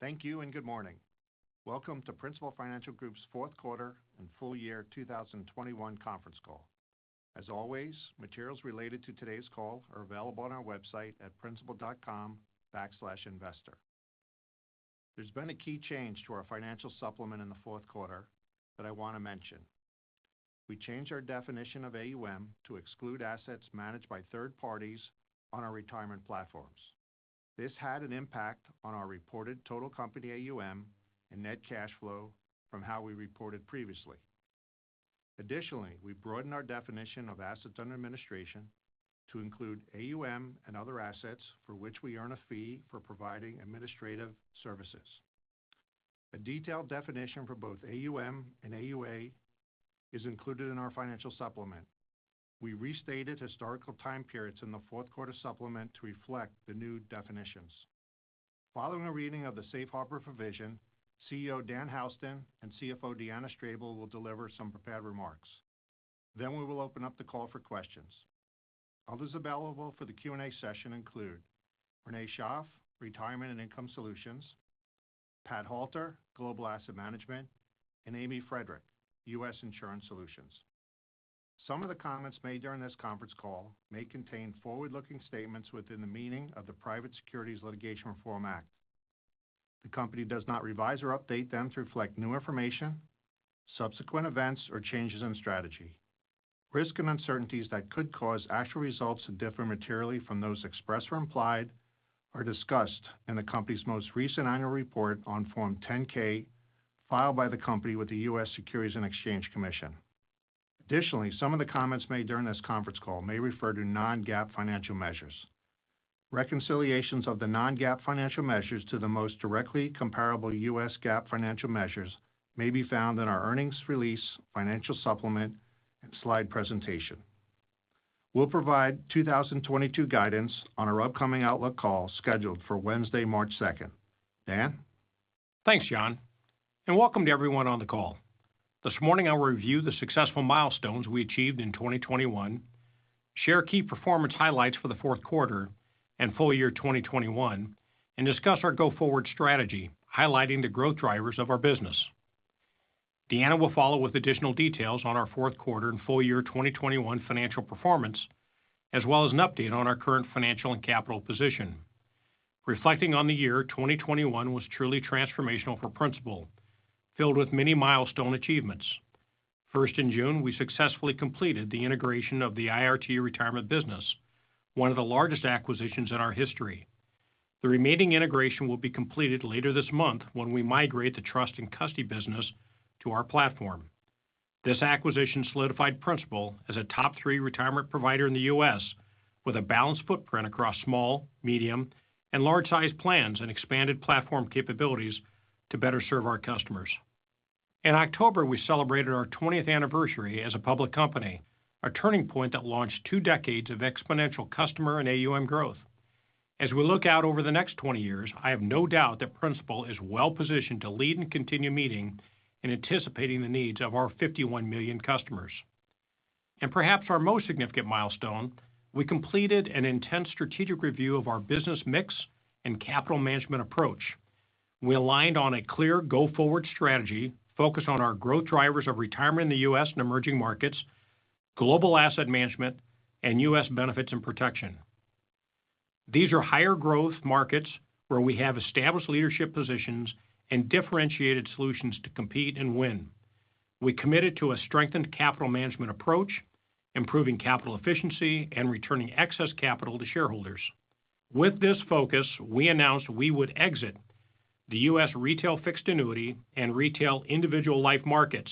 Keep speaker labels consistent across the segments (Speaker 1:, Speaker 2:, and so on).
Speaker 1: Thank you and good morning. Welcome to Principal Financial Group's Fourth Quarter and Full Year 2021 Conference Call. As always, materials related to today's call are available on our website at principal.com/investor. There's been a key change to our financial supplement in the fourth quarter that I wanna mention. We changed our definition of AUM to exclude assets managed by third parties on our retirement platforms. This had an impact on our reported total company AUM and net cash flow from how we reported previously. Additionally, we broadened our definition of assets under administration to include AUM and other assets for which we earn a fee for providing administrative services. A detailed definition for both AUM and AUA is included in our financial supplement. We restated historical time periods in the fourth quarter supplement to reflect the new definitions. Following a reading of the safe harbor provision, CEO Dan Houston and CFO Deanna Strable will deliver some prepared remarks. We will open up the call for questions. Others available for the Q&A session include Renee Schaaf, Retirement and Income Solutions, Pat Halter, Global Asset Management, and Amy Friedrich, U.S. Insurance Solutions. Some of the comments made during this conference call may contain forward-looking statements within the meaning of the Private Securities Litigation Reform Act. The company does not revise or update them to reflect new information, subsequent events, or changes in strategy. Risk and uncertainties that could cause actual results to differ materially from those expressed or implied are discussed in the company's most recent annual report on Form 10-K filed by the company with the U.S. Securities and Exchange Commission. Additionally, some of the comments made during this conference call may refer to non-GAAP financial measures. Reconciliations of the non-GAAP financial measures to the most directly comparable U.S. GAAP financial measures may be found in our earnings release, financial supplement, and slide presentation. We'll provide 2022 guidance on our upcoming outlook call scheduled for Wednesday, March 2nd. Dan.
Speaker 2: Thanks, John, and welcome to everyone on the call. This morning, I'll review the successful milestones we achieved in 2021, share key performance highlights for the fourth quarter and full year 2021, and discuss our go-forward strategy, highlighting the growth drivers of our business. Deanna will follow with additional details on our fourth quarter and full year 2021 financial performance, as well as an update on our current financial and capital position. Reflecting on the year, 2021 was truly transformational for Principal, filled with many milestone achievements. First, in June, we successfully completed the integration of the IRT Retirement business, one of the largest acquisitions in our history. The remaining integration will be completed later this month when we migrate the trust and custody business to our platform. This acquisition solidified Principal as a top three retirement provider in the U.S. with a balanced footprint across small, medium, and large size plans and expanded platform capabilities to better serve our customers. In October, we celebrated our 20th anniversary as a public company, a turning point that launched two decades of exponential customer and AUM growth. As we look out over the next 20 years, I have no doubt that Principal is well-positioned to lead and continue meeting and anticipating the needs of our 51 million customers. Perhaps our most significant milestone, we completed an intense strategic review of our business mix and capital management approach. We aligned on a clear go-forward strategy focused on our growth drivers of retirement in the U.S. and emerging markets, global asset management, and U.S. benefits and protection. These are higher growth markets where we have established leadership positions and differentiated solutions to compete and win. We committed to a strengthened capital management approach, improving capital efficiency, and returning excess capital to shareholders. With this focus, we announced we would exit the U.S. retail fixed annuity and retail individual life markets,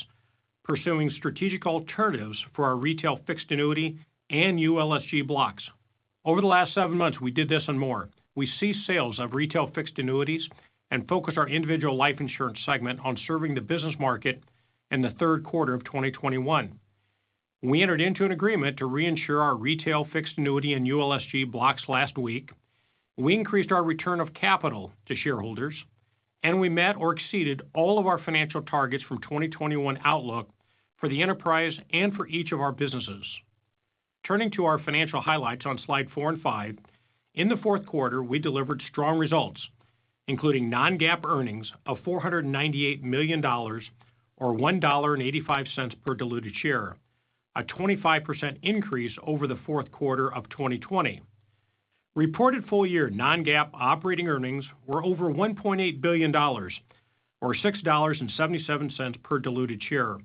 Speaker 2: pursuing strategic alternatives for our retail fixed annuity and ULSG blocks. Over the last seven months, we did this and more. We ceased sales of retail fixed annuities and focused our individual life insurance segment on serving the business market in the third quarter of 2021. We entered into an agreement to reinsure our retail fixed annuity and ULSG blocks last week. We increased our return of capital to shareholders, and we met or exceeded all of our financial targets from 2021 outlook for the enterprise and for each of our businesses. Turning to our financial highlights on slide four and five. In the fourth quarter, we delivered strong results, including non-GAAP earnings of $498 million or $1.85 per diluted share, a 25% increase over the fourth quarter of 2020. Reported full year non-GAAP operating earnings were over $1.8 billion or $6.77 per diluted share.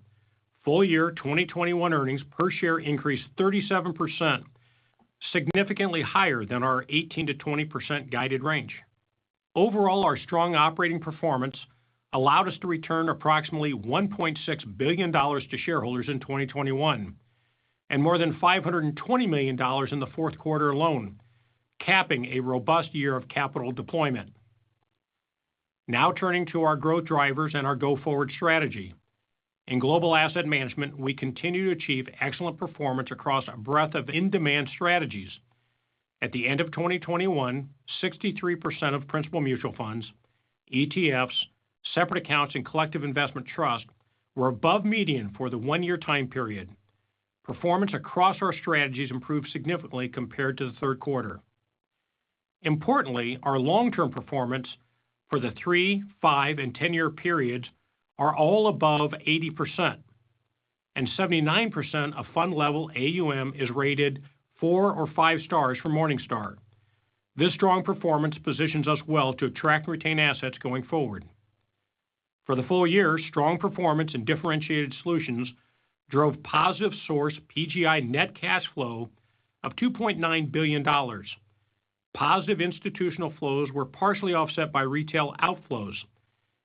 Speaker 2: Full year 2021 earnings per share increased 37%, significantly higher than our 18%-20% guided range. Overall, our strong operating performance allowed us to return approximately $1.6 billion to shareholders in 2021, and more than $520 million in the fourth quarter alone, capping a robust year of capital deployment. Now turning to our growth drivers and our go-forward strategy. In global asset management, we continue to achieve excellent performance across a breadth of in-demand strategies. At the end of 2021, 63% of Principal Mutual Funds, ETFs, separate accounts, and collective investment trust were above median for the one-year time period. Performance across our strategies improved significantly compared to the third quarter. Importantly, our long-term performance for the three, five, and 10-year periods are all above 80% and 79% of fund level AUM is rated four or five stars from Morningstar. This strong performance positions us well to attract and retain assets going forward. For the full year, strong performance and differentiated solutions drove positive sourced PGI net cash flow of $2.9 billion. Positive institutional flows were partially offset by retail outflows.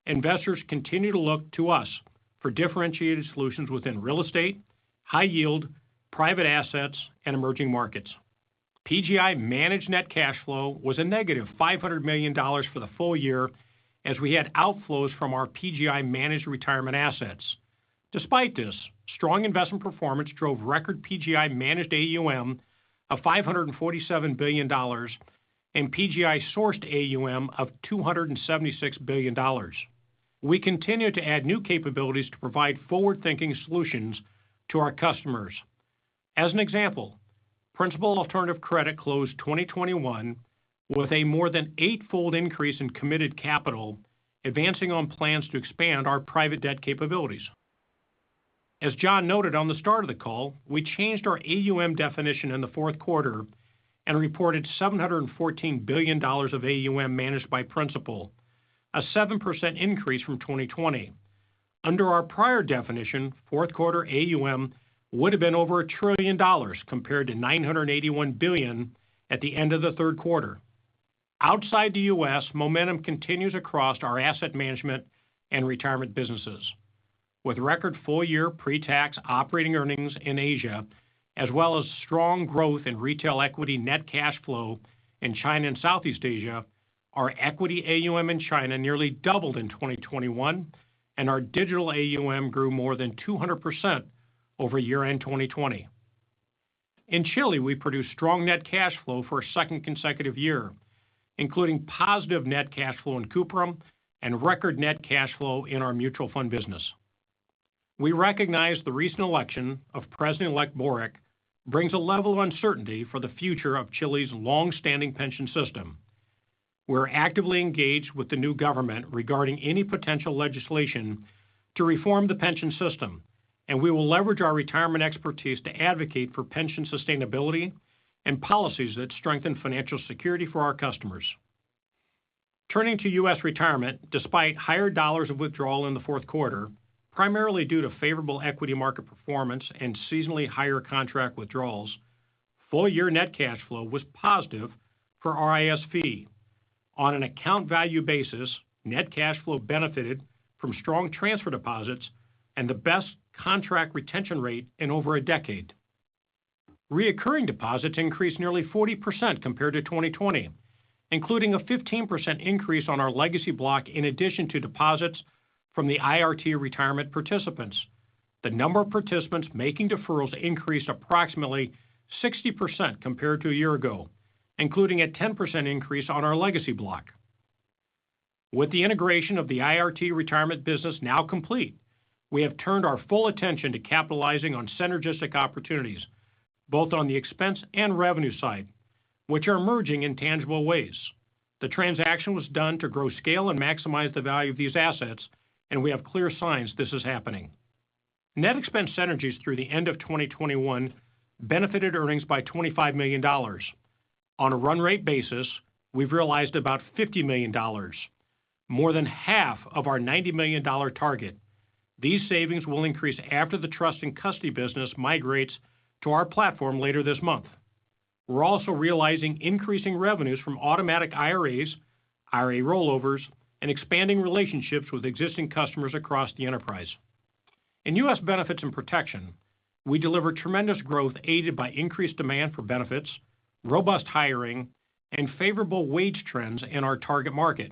Speaker 2: Investors continue to look to us for differentiated solutions within real estate, high yield, private assets, and emerging markets. PGI managed net cash flow was -$500 million for the full year as we had outflows from our PGI managed retirement assets. Despite this, strong investment performance drove record PGI managed AUM of $547 billion and PGI sourced AUM of $276 billion. We continue to add new capabilities to provide forward-thinking solutions to our customers. As an example, Principal Alternative Credit closed 2021 with a more than eight-fold increase in committed capital, advancing on plans to expand our private debt capabilities. As John noted on the start of the call, we changed our AUM definition in the fourth quarter and reported $714 billion of AUM managed by Principal, a 7% increase from 2020. Under our prior definition, fourth quarter AUM would have been over $1 trillion compared to $981 billion at the end of the third quarter. Outside the U.S., momentum continues across our asset management and retirement businesses. With record full-year pre-tax operating earnings in Asia, as well as strong growth in retail equity net cash flow in China and Southeast Asia, our equity AUM in China nearly doubled in 2021, and our digital AUM grew more than 200% over year-end 2020. In Chile, we produced strong net cash flow for a second consecutive year, including positive net cash flow in Cuprum and record net cash flow in our mutual fund business. We recognize the recent election of President-elect Boric brings a level of uncertainty for the future of Chile's long-standing pension system. We're actively engaged with the new government regarding any potential legislation to reform the pension system, and we will leverage our retirement expertise to advocate for pension sustainability and policies that strengthen financial security for our customers. Turning to U.S. retirement, despite higher dollars of withdrawal in the fourth quarter, primarily due to favorable equity market performance and seasonally higher contract withdrawals, full-year net cash flow was positive for our RIS. On an account value basis, net cash flow benefited from strong transfer deposits and the best contract retention rate in over a decade. Recurring deposits increased nearly 40% compared to 2020, including a 15% increase on our legacy block in addition to deposits from the IRT retirement participants. The number of participants making deferrals increased approximately 60% compared to a year ago, including a 10% increase on our legacy block. With the integration of the IRT retirement business now complete, we have turned our full attention to capitalizing on synergistic opportunities, both on the expense and revenue side, which are emerging in tangible ways. The transaction was done to grow scale and maximize the value of these assets, and we have clear signs this is happening. Net expense synergies through the end of 2021 benefited earnings by $25 million. On a run rate basis, we've realized about $50 million, more than half of our $90 million target. These savings will increase after the trust and custody business migrates to our platform later this month. We're also realizing increasing revenues from automatic IRAs, IRA rollovers, and expanding relationships with existing customers across the enterprise. In U.S. benefits and protection, we delivered tremendous growth aided by increased demand for benefits, robust hiring, and favorable wage trends in our target market.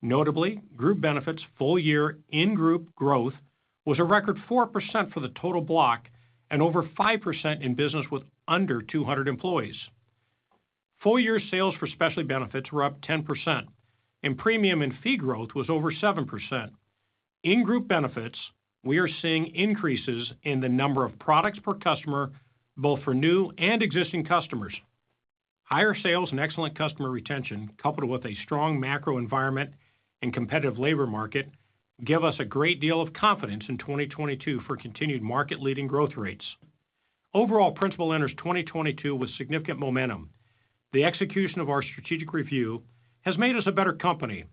Speaker 2: Notably, group benefits full-year in-group growth was a record 4% for the total block and over 5% in business with under 200 employees. Full-year sales for specialty benefits were up 10%, and premium and fee growth was over 7%. In group benefits, we are seeing increases in the number of products per customer, both for new and existing customers. Higher sales and excellent customer retention, coupled with a strong macro environment and competitive labor market, give us a great deal of confidence in 2022 for continued market-leading growth rates. Overall, Principal enters 2022 with significant momentum. The execution of our strategic review has made us a better company,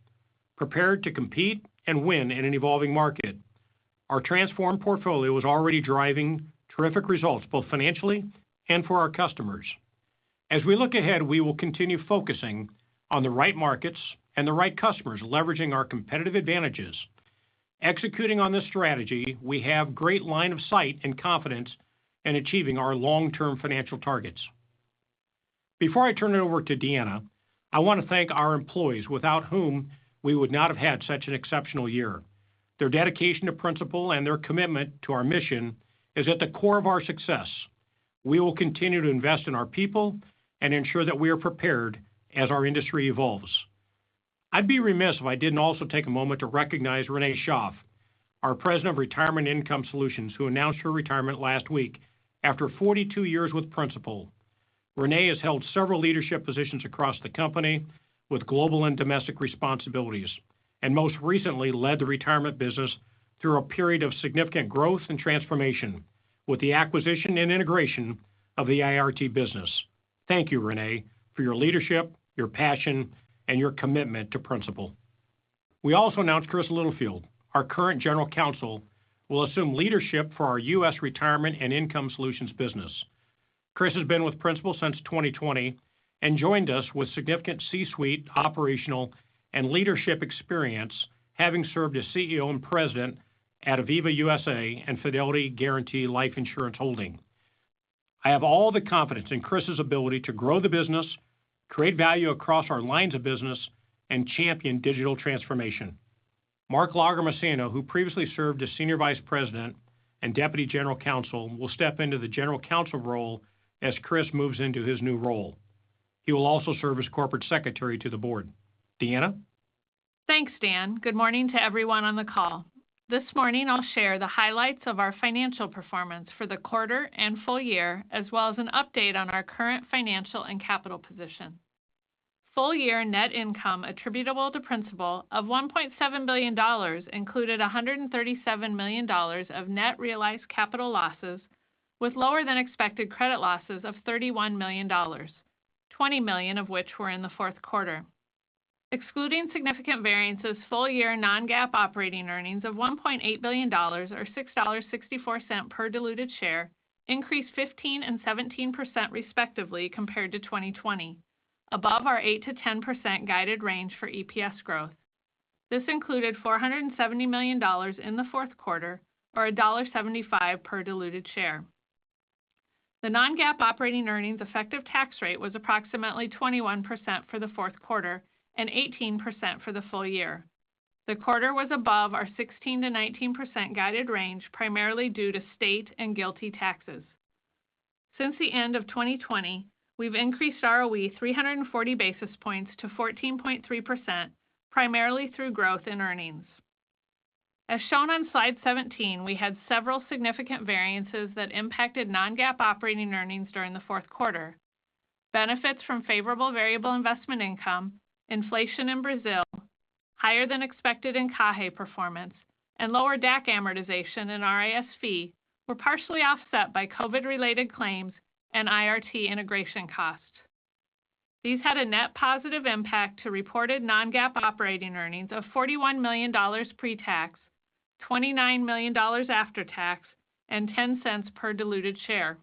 Speaker 2: prepared to compete and win in an evolving market. Our transformed portfolio is already driving terrific results, both financially and for our customers. As we look ahead, we will continue focusing on the right markets and the right customers, leveraging our competitive advantages. Executing on this strategy, we have great line of sight and confidence in achieving our long-term financial targets. Before I turn it over to Deanna, I want to thank our employees, without whom we would not have had such an exceptional year. Their dedication to Principal and their commitment to our mission is at the core of our success. We will continue to invest in our people and ensure that we are prepared as our industry evolves. I'd be remiss if I didn't also take a moment to recognize Renee Schaaf, our President of Retirement Income Solutions, who announced her retirement last week after 42 years with Principal. Renee has held several leadership positions across the company with global and domestic responsibilities, and most recently led the retirement business through a period of significant growth and transformation with the acquisition and integration of the IRT business. Thank you, Renee, for your leadership, your passion, and your commitment to Principal. We also announced Chris Littlefield, our current General Counsel, will assume leadership for our U.S. Retirement and Income Solutions business. Chris has been with Principal since 2020 and joined us with significant C-suite operational and leadership experience, having served as CEO and President at Aviva USA and Fidelity & Guaranty Life Insurance Holding. I have all the confidence in Chris's ability to grow the business, create value across our lines of business, and champion digital transformation. Mark Lagomarsino, who previously served as Senior Vice President and Deputy General Counsel, will step into the General Counsel role as Chris Littlefield moves into his new role. He will also serve as Corporate Secretary to the board. Deanna Strable?
Speaker 3: Thanks, Dan. Good morning to everyone on the call. This morning, I'll share the highlights of our financial performance for the quarter and full year, as well as an update on our current financial and capital position. Full year net income attributable to Principal of $1.7 billion included $137 million of net realized capital losses with lower than expected credit losses of $31 million, $20 million of which were in the fourth quarter. Excluding significant variances, full year non-GAAP operating earnings of $1.8 billion or $6.64 per diluted share increased 15% and 17% respectively, compared to 2020, above our 8%-10% guided range for EPS growth. This included $470 million in the fourth quarter or $1.75 per diluted share. The non-GAAP operating earnings effective tax rate was approximately 21% for the fourth quarter and 18% for the full year. The quarter was above our 16%-19% guided range, primarily due to state and GILTI taxes. Since the end of 2020, we've increased our OE 340 basis points to 14.3%, primarily through growth in earnings. As shown on slide 17, we had several significant variances that impacted non-GAAP operating earnings during the fourth quarter. Benefits from favorable variable investment income, inflation in Brazil, higher than expected in CAHE performance, and lower DAC amortization in RIS were partially offset by COVID-related claims and IRT integration costs. These had a net positive impact to reported non-GAAP operating earnings of $41 million pre-tax, $29 million after tax, and $0.10 per diluted share.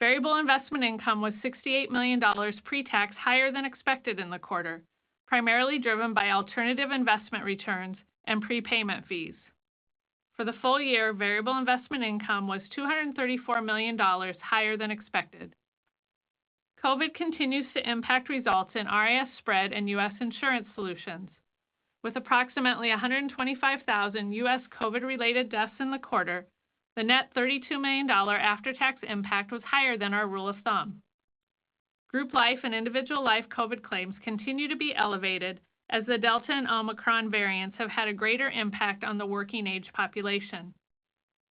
Speaker 3: Variable investment income was $68 million pre-tax, higher than expected in the quarter, primarily driven by alternative investment returns and prepayment fees. For the full year, variable investment income was $234 million higher than expected. COVID continues to impact results in RIS spread and U.S. Insurance Solutions. With approximately 125,000 U.S. COVID-related deaths in the quarter, the net $32 million after-tax impact was higher than our rule of thumb. Group Life and Individual Life COVID claims continue to be elevated as the Delta and Omicron variants have had a greater impact on the working age population.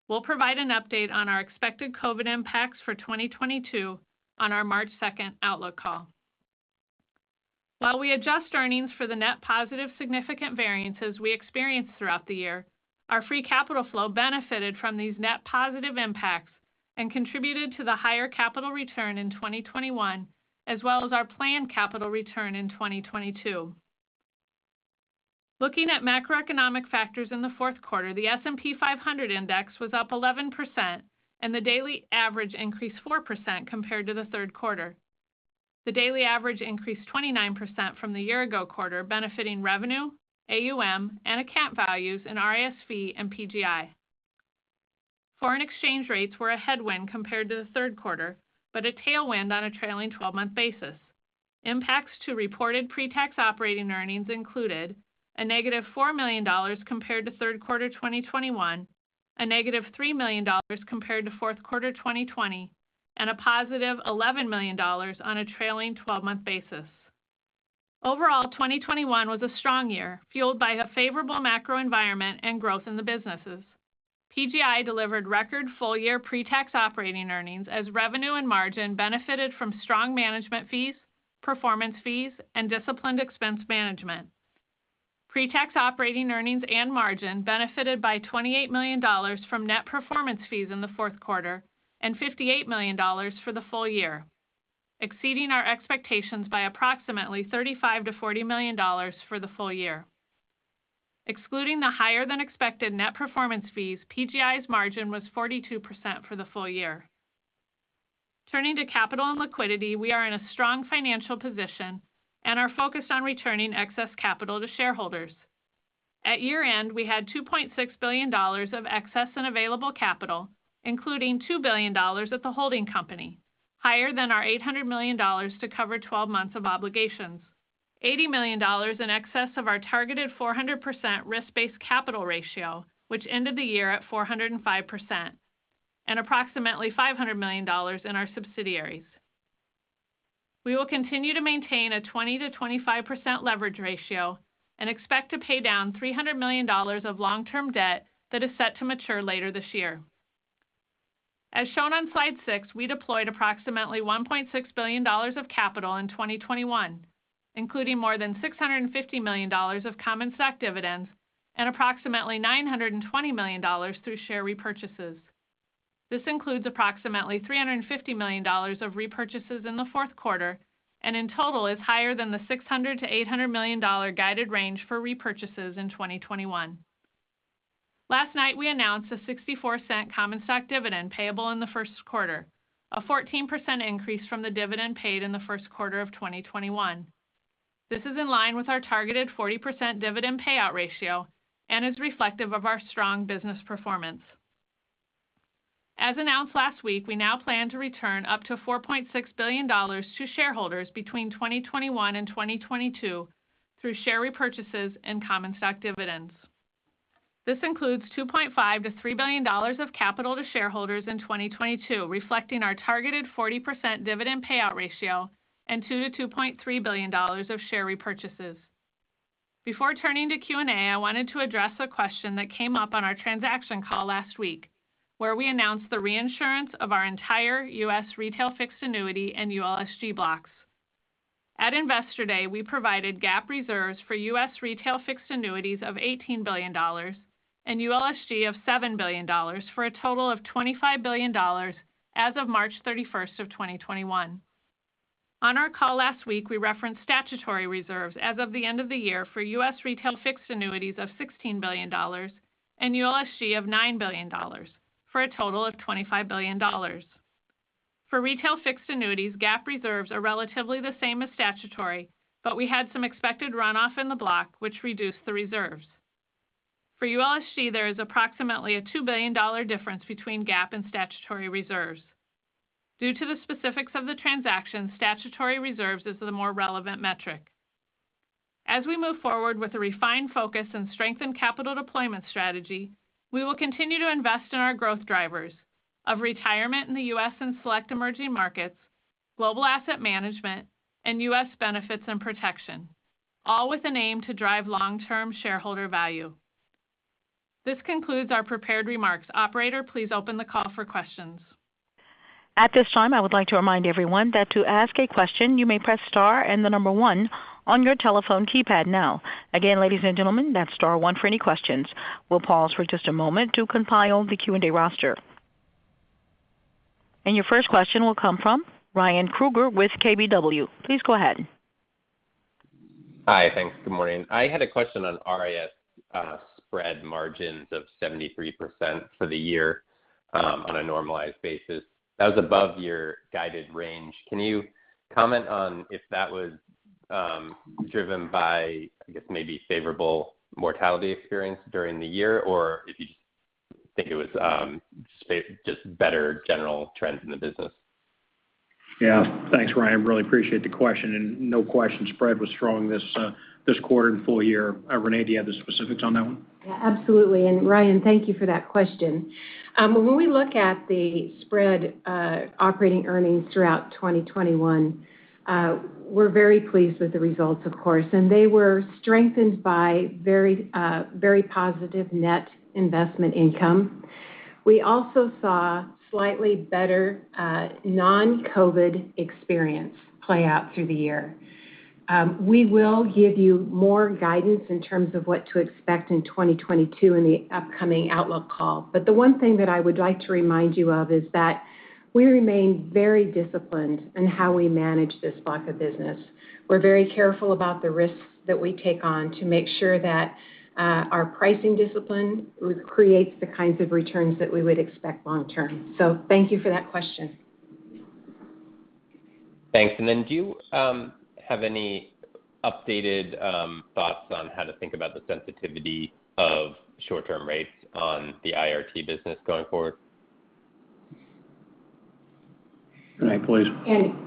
Speaker 3: We'll provide an update on our expected COVID impacts for 2022 on our March 2 outlook call. While we adjust earnings for the net positive significant variances we experienced throughout the year, our free capital flow benefited from these net positive impacts and contributed to the higher capital return in 2021, as well as our planned capital return in 2022. Looking at macroeconomic factors in the fourth quarter, the S&P 500 index was up 11% and the daily average increased 4% compared to the third quarter. The daily average increased 29% from the year ago quarter, benefiting revenue, AUM, and account values in RIS and PGI. Foreign exchange rates were a headwind compared to the third quarter, but a tailwind on a trailing 12-month basis. Impacts to reported pre-tax operating earnings included a -$4 million compared to third quarter 2021, a -$3 million compared to fourth quarter 2020, and a +$11 million on a trailing twelve-month basis. Overall, 2021 was a strong year, fueled by a favorable macro environment and growth in the businesses. PGI delivered record full year pre-tax operating earnings as revenue and margin benefited from strong management fees, performance fees, and disciplined expense management. Pre-tax operating earnings and margin benefited by $28 million from net performance fees in the fourth quarter and $58 million for the full year, exceeding our expectations by approximately $35 million-$40 million for the full year. Excluding the higher than expected net performance fees, PGI's margin was 42% for the full year. Turning to capital and liquidity, we are in a strong financial position and are focused on returning excess capital to shareholders. At year-end, we had $2.6 billion of excess and available capital, including $2 billion at the holding company, higher than our $800 million to cover 12 months of obligations. $80 million in excess of our targeted 400% risk-based capital ratio, which ended the year at 405%. Approximately $500 million in our subsidiaries. We will continue to maintain a 20%-25% leverage ratio and expect to pay down $300 million of long-term debt that is set to mature later this year. As shown on slide six, we deployed approximately $1.6 billion of capital in 2021, including more than $650 million of common stock dividends and approximately $920 million through share repurchases. This includes approximately $350 million of repurchases in the fourth quarter, and in total is higher than the $600 million-$800 million guided range for repurchases in 2021. Last night, we announced a $0.64 common stock dividend payable in the first quarter, a 14% increase from the dividend paid in the first quarter of 2021. This is in line with our targeted 40% dividend payout ratio and is reflective of our strong business performance. As announced last week, we now plan to return up to $4.6 billion to shareholders between 2021 and 2022 through share repurchases and common stock dividends. This includes $2.5-$3 billion of capital to shareholders in 2022, reflecting our targeted 40% dividend payout ratio and $2 billion-$2.3 billion of share repurchases. Before turning to Q&A, I wanted to address a question that came up on our transaction call last week, where we announced the reinsurance of our entire U.S. retail fixed annuity and ULSG blocks. At Investor Day, we provided GAAP reserves for U.S. retail fixed annuities of $18 billion and ULSG of $7 billion, for a total of $25 billion as of March 31st, 2021. On our call last week, we referenced statutory reserves as of the end of the year for U.S. retail fixed annuities of $16 billion and ULSG of $9 billion, for a total of $25 billion. For retail fixed annuities, GAAP reserves are relatively the same as statutory, but we had some expected runoff in the block, which reduced the reserves. For ULSG, there is approximately a $2 billion difference between GAAP and statutory reserves. Due to the specifics of the transaction, statutory reserves is the more relevant metric. As we move forward with a refined focus and strengthened capital deployment strategy, we will continue to invest in our growth drivers of retirement in the U.S. and select emerging markets, global asset management, and U.S. benefits and protection, all with an aim to drive long-term shareholder value. This concludes our prepared remarks. Operator, please open the call for questions.
Speaker 4: At this time, I would like to remind everyone that to ask a question, you may press star and the number one on your telephone keypad now. Again, ladies and gentlemen, that's star one for any questions. We'll pause for just a moment to compile the Q&A roster. Your first question will come from Ryan Krueger with KBW. Please go ahead.
Speaker 5: Hi. Thanks. Good morning. I had a question on RIS, spread margins of 73% for the year, on a normalized basis. That was above your guided range. Can you comment on if that was driven by, I guess, maybe favorable mortality experience during the year, or if you think it was just better general trends in the business?
Speaker 2: Yeah. Thanks, Ryan. Really appreciate the question, and no question, spread was strong this quarter and full year. Renee, do you have the specifics on that one?
Speaker 6: Yeah, absolutely. Ryan, thank you for that question. When we look at the spread, operating earnings throughout 2021, we're very pleased with the results, of course, and they were strengthened by very, very positive net investment income. We also saw slightly better, non-COVID experience play out through the year. We will give you more guidance in terms of what to expect in 2022 in the upcoming outlook call. The one thing that I would like to remind you of is that we remain very disciplined in how we manage this block of business. We're very careful about the risks that we take on to make sure that, our pricing discipline creates the kinds of returns that we would expect long term. Thank you for that question.
Speaker 5: Thanks. Do you have any updated thoughts on how to think about the sensitivity of short-term rates on the IRT business going forward?
Speaker 2: Renee, please.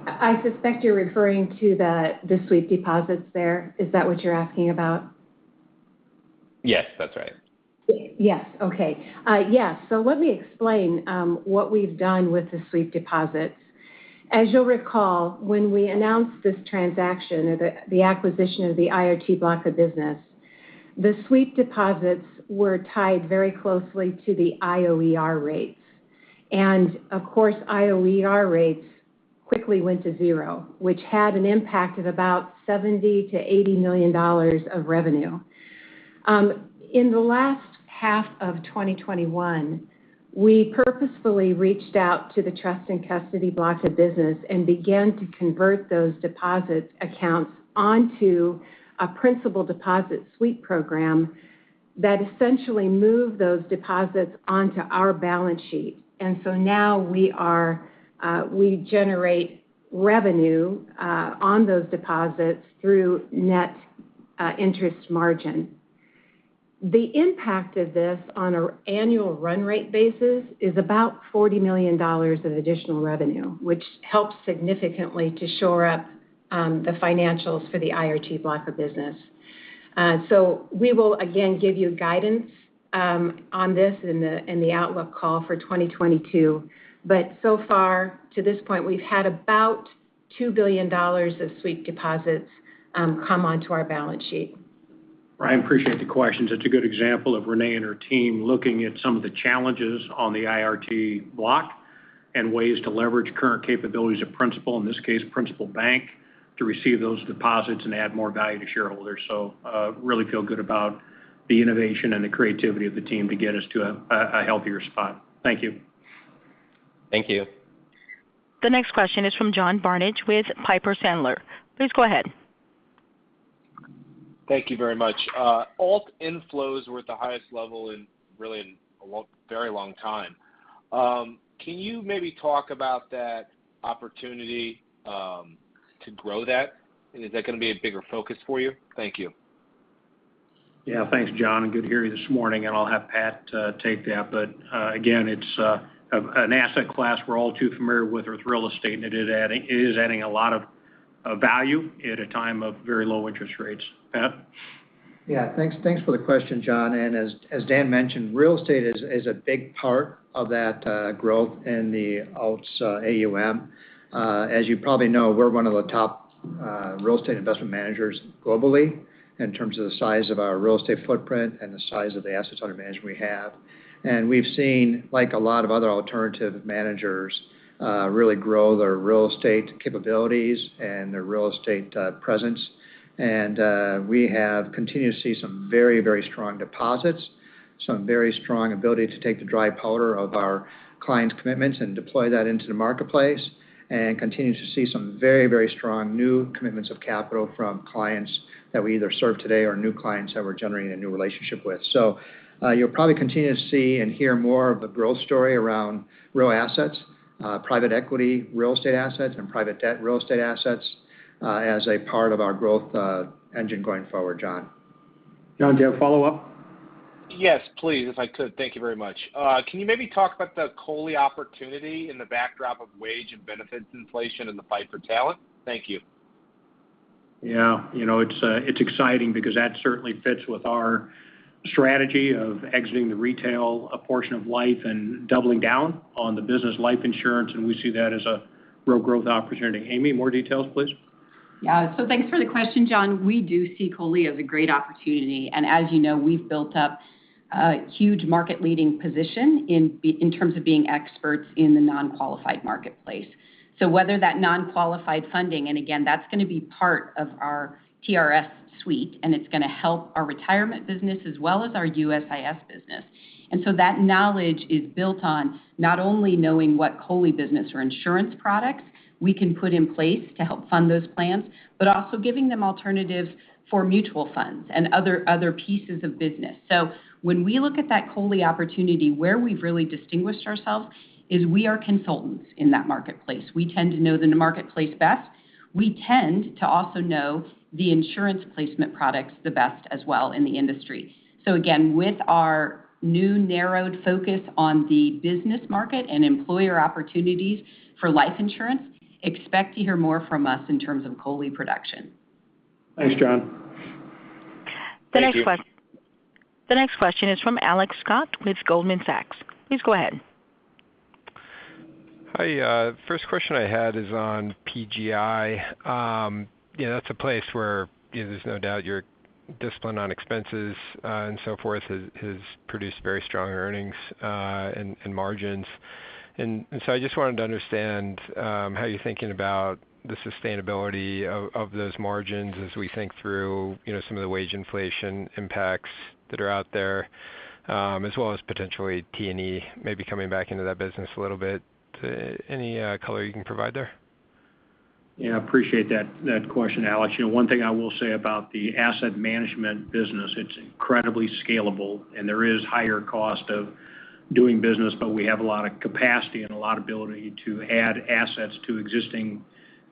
Speaker 6: I suspect you're referring to the sweep deposits there. Is that what you're asking about?
Speaker 5: Yes, that's right.
Speaker 6: Yes. Okay. Yes. Let me explain what we've done with the sweep deposits. As you'll recall, when we announced this transaction or the acquisition of the IRT block of business, the sweep deposits were tied very closely to the IOER rates. Of course, IOER rates quickly went to zero, which had an impact of about $70 million-$80 million of revenue. In the last half of 2021, we purposefully reached out to the trust and custody block of business and began to convert those deposit accounts onto a Principal deposit sweep program that essentially moved those deposits onto our balance sheet. Now we generate revenue on those deposits through net interest margin. The impact of this on an annual run rate basis is about $40 million of additional revenue, which helps significantly to shore up. The financials for the IRT block of business. We will again give you guidance on this in the outlook call for 2022. So far, to this point, we've had about $2 billion of sweep deposits come onto our balance sheet.
Speaker 2: Ryan, I appreciate the question. Such a good example of Renee and her team looking at some of the challenges on the IRT block and ways to leverage current capabilities of Principal, in this case, Principal Bank, to receive those deposits and add more value to shareholders. We really feel good about the innovation and the creativity of the team to get us to a healthier spot. Thank you.
Speaker 5: Thank you.
Speaker 4: The next question is from John Barnidge with Piper Sandler. Please go ahead.
Speaker 7: Thank you very much. Alt inflows were at the highest level in a very long time. Can you maybe talk about that opportunity to grow that? Is that gonna be a bigger focus for you? Thank you.
Speaker 2: Yeah. Thanks, John, and good to hear you this morning, and I'll have Pat take that. Again, it's an asset class we're all too familiar with real estate, and it is adding a lot of value at a time of very low interest rates. Pat?
Speaker 8: Yeah. Thanks for the question, John. As Dan mentioned, real estate is a big part of that growth in the alts AUM. As you probably know, we're one of the top real estate investment managers globally in terms of the size of our real estate footprint and the size of the assets under management we have. We've seen, like a lot of other alternative managers, really grow their real estate capabilities and their real estate presence. We have continued to see some very, very strong deposits, some very strong ability to take the dry powder of our clients' commitments and deploy that into the marketplace, and continue to see some very, very strong new commitments of capital from clients that we either serve today or new clients that we're generating a new relationship with. You'll probably continue to see and hear more of the growth story around real assets, private equity, real estate assets, and private debt real estate assets, as a part of our growth engine going forward, John.
Speaker 2: John, do you have follow-up?
Speaker 7: Yes, please, if I could. Thank you very much. Can you maybe talk about the COLI opportunity in the backdrop of wage and benefits inflation and the fight for talent? Thank you.
Speaker 2: Yeah. You know, it's exciting because that certainly fits with our strategy of exiting the retail portion of life and doubling down on the business life insurance, and we see that as a real growth opportunity. Amy, more details, please.
Speaker 9: Yeah. Thanks for the question, John. We do see COLI as a great opportunity. As you know, we've built up a huge market-leading position in terms of being experts in the non-qualified marketplace. Whether that non-qualified funding, again, that's gonna be part of our TRS suite, and it's gonna help our retirement business as well as our USIS business. That knowledge is built on not only knowing what COLI business or insurance products we can put in place to help fund those plans, but also giving them alternatives for mutual funds and other pieces of business. When we look at that COLI opportunity, where we've really distinguished ourselves is we are consultants in that marketplace. We tend to know the marketplace best. We tend to also know the insurance placement products the best as well in the industry. Again, with our new narrowed focus on the business market and employer opportunities for life insurance, expect to hear more from us in terms of COLI production.
Speaker 2: Thanks, John.
Speaker 7: Thank you.
Speaker 4: The next question is from Alex Scott with Goldman Sachs. Please go ahead.
Speaker 10: Hi. First question I had is on PGI. You know, that's a place where there's no doubt your discipline on expenses and so forth has produced very strong earnings and margins. I just wanted to understand how you're thinking about the sustainability of those margins as we think through, you know, some of the wage inflation impacts that are out there, as well as potentially T&E maybe coming back into that business a little bit. Any color you can provide there?
Speaker 2: Yeah, I appreciate that question, Alex. You know, one thing I will say about the asset management business, it's incredibly scalable, and there is higher cost of doing business, but we have a lot of capacity and a lot of ability to add assets to existing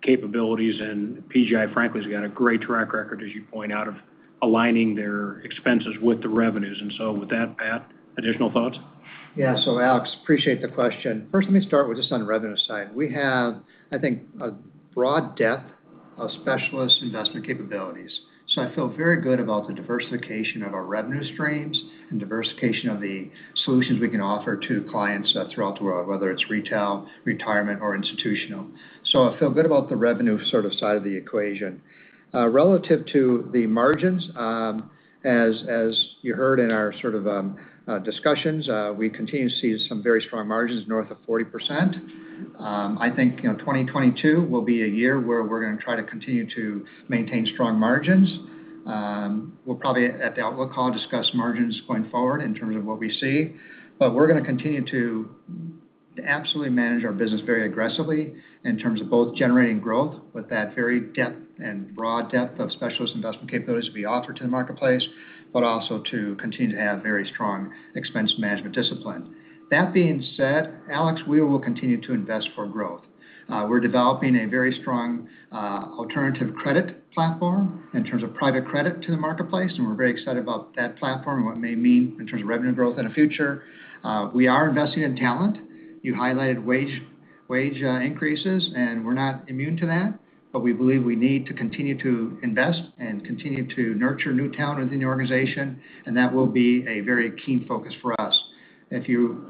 Speaker 2: capabilities. PGI, frankly, has got a great track record, as you point out, of aligning their expenses with the revenues. With that, Pat, additional thoughts?
Speaker 8: Yeah. Alex, I appreciate the question. First, let me start with just on the revenue side. We have, I think, a broad depth of specialist investment capabilities. I feel very good about the diversification of our revenue streams and diversification of the solutions we can offer to clients throughout the world, whether it's retail, retirement, or institutional. I feel good about the revenue sort of side of the equation. Relative to the margins, as you heard in our sort of discussions, we continue to see some very strong margins north of 40%. I think, you know, 2022 will be a year where we're gonna try to continue to maintain strong margins. We'll probably, at the outlook call, discuss margins going forward in terms of what we see. We're gonna continue to absolutely manage our business very aggressively in terms of both generating growth with that very depth and broad depth of specialist investment capabilities we offer to the marketplace, but also to continue to have very strong expense management discipline. That being said, Alex, we will continue to invest for growth. We're developing a very strong alternative credit platform in terms of private credit to the marketplace, and we're very excited about that platform and what it may mean in terms of revenue growth in the future. We are investing in talent. You highlighted wage Wage increases, and we're not immune to that, but we believe we need to continue to invest and continue to nurture new talent within the organization, and that will be a very keen focus for us. If you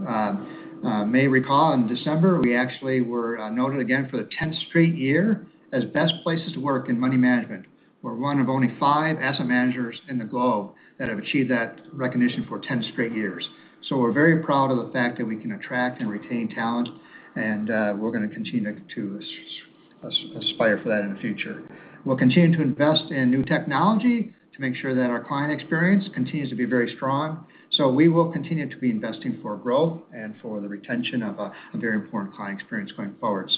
Speaker 8: may recall in December, we actually were noted again for the tenth straight year as best places to work in money management. We're one of only five asset managers in the globe that have achieved that recognition for 10 straight years. We're very proud of the fact that we can attract and retain talent, and we're gonna continue to aspire for that in the future. We'll continue to invest in new technology to make sure that our client experience continues to be very strong. We will continue to be investing for growth and for the retention of a very important client experience going forward.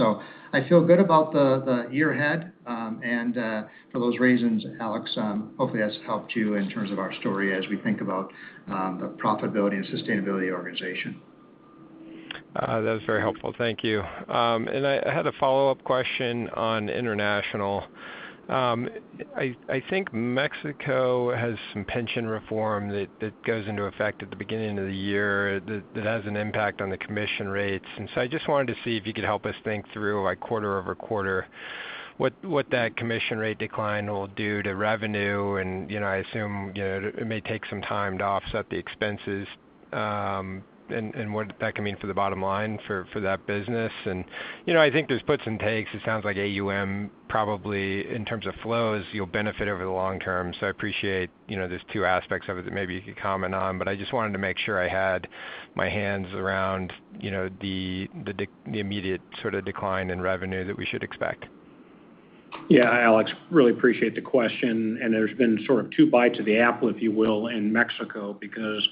Speaker 8: I feel good about the year ahead, and for those reasons, Alex, hopefully that's helped you in terms of our story as we think about the profitability and sustainability of the organization.
Speaker 10: That's very helpful. Thank you. I had a follow-up question on international. I think Mexico has some pension reform that goes into effect at the beginning of the year that has an impact on the commission rates. I just wanted to see if you could help us think through like quarter-over-quarter, what that commission rate decline will do to revenue. You know, I assume, you know, it may take some time to offset the expenses, and what that can mean for the bottom line for that business. You know, I think there's puts and takes. It sounds like AUM probably in terms of flows, you'll benefit over the long term. I appreciate, you know, there's two aspects of it that maybe you could comment on, but I just wanted to make sure I had my hands around, you know, the immediate sort of decline in revenue that we should expect.
Speaker 2: Yeah, Alex, really appreciate the question, and there's been sort of two bites of the apple, if you will, in Mexico because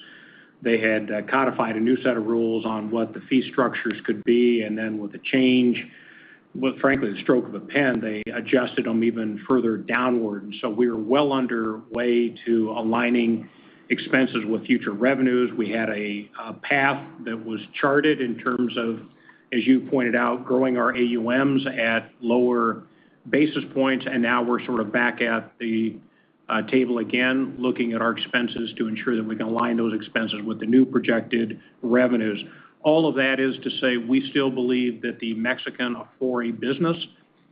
Speaker 2: they had codified a new set of rules on what the fee structures could be. With the change, with frankly, the stroke of a pen, they adjusted them even further downward. We're well underway to aligning expenses with future revenues. We had a path that was charted in terms of, as you pointed out, growing our AUMs at lower basis points. Now we're sort of back at the table again, looking at our expenses to ensure that we can align those expenses with the new projected revenues. All of that is to say, we still believe that the Mexican Afore business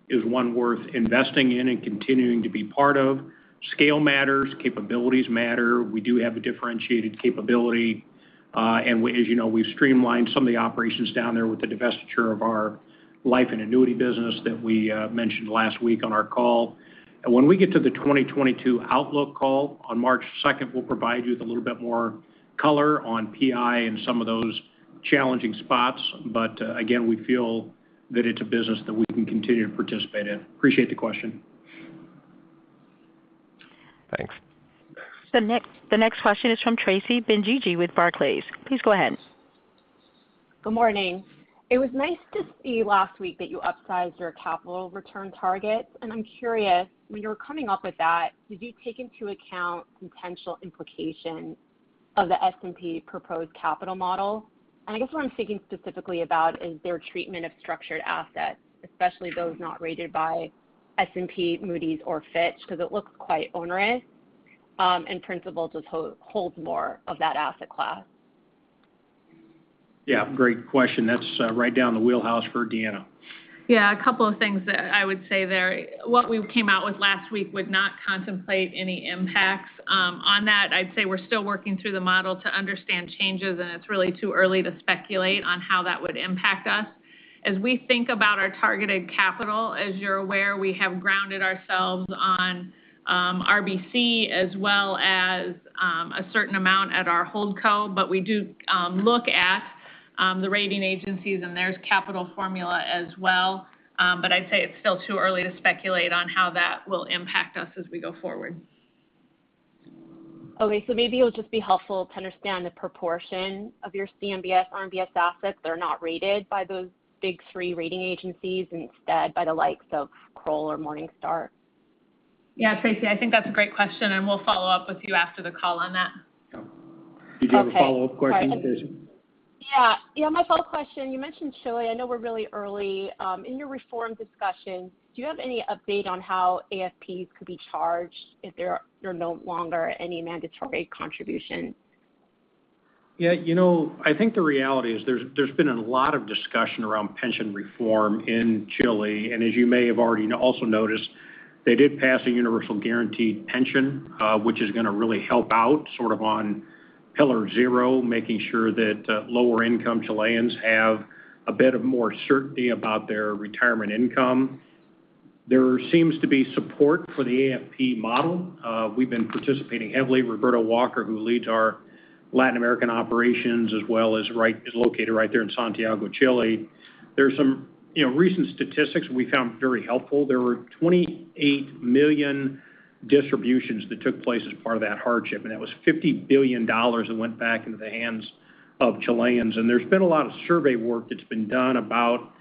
Speaker 2: is one worth investing in and continuing to be part of. Scale matters. Capabilities matter. We do have a differentiated capability. As you know, we've streamlined some of the operations down there with the divestiture of our life and annuity business that we mentioned last week on our call. When we get to the 2022 outlook call on March second, we'll provide you with a little bit more color on PI and some of those challenging spots. Again, we feel that it's a business that we can continue to participate in. Appreciate the question.
Speaker 10: Thanks.
Speaker 4: The next question is from Tracy Benguigui with Barclays. Please go ahead.
Speaker 11: Good morning. It was nice to see last week that you upsized your capital return target. I'm curious, when you were coming up with that, did you take into account potential implications of the S&P proposed capital model? I guess what I'm thinking specifically about is their treatment of structured assets, especially those not rated by S&P, Moody's or Fitch, because it looks quite onerous, and Principal just holds more of that asset class.
Speaker 2: Yeah. Great question. That's right down the wheelhouse for Deanna.
Speaker 3: Yeah. A couple of things that I would say there. What we came out with last week would not contemplate any impacts on that. I'd say we're still working through the model to understand changes, and it's really too early to speculate on how that would impact us. As we think about our targeted capital, as you're aware, we have grounded ourselves on RBC as well as a certain amount at our hold co. But we do look at the rating agencies and their capital formula as well. I'd say it's still too early to speculate on how that will impact us as we go forward.
Speaker 11: Okay. Maybe it'll just be helpful to understand the proportion of your CMBS, RMBS assets that are not rated by those big three rating agencies instead by the likes of Kroll or Morningstar.
Speaker 3: Yeah. Tracy, I think that's a great question, and we'll follow up with you after the call on that.
Speaker 2: Yeah.
Speaker 11: Okay. All right.
Speaker 2: Did you have a follow-up question, Tracy?
Speaker 11: Yeah. My follow-up question, you mentioned Chile. I know we're really early in your reform discussions. Do you have any update on how AFPs could be charged if there are no longer any mandatory contribution?
Speaker 2: Yeah. You know, I think the reality is there's been a lot of discussion around pension reform in Chile. As you may have already also noticed, they did pass a universal guaranteed pension, which is gonna really help out sort of on pillar zero, making sure that lower income Chileans have a bit more certainty about their retirement income. There seems to be support for the AFP model. We've been participating heavily. Roberto Walker, who leads our Latin American operations as well as is located right there in Santiago, Chile. There's some, you know, recent statistics we found very helpful. There were 28 million distributions that took place as part of that hardship, and that was $50 billion that went back into the hands of Chileans. There's been a lot of survey work that's been done about